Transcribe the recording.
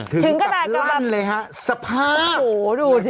ถึงกับลั้นเลยฮะสภาพโหดูสิ